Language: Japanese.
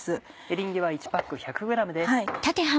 エリンギは１パック１００ｇです。